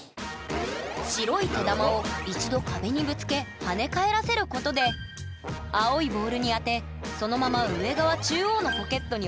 白い手球を一度壁にぶつけ跳ね返らせることで青いボールに当てそのまま上側中央のポケットに落とすという作戦ええ？